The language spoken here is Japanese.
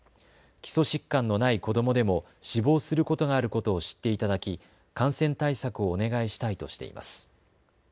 基礎疾患のない子どもでも死亡することがあることを知っていただき感染対策をお願いしたいとしています。